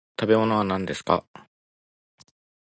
好きな食べ物は何ですか？